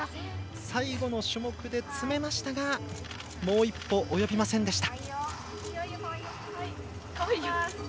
最後の種目で詰めましたがもう一歩、及びませんでした。